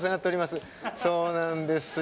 そうなんですよ。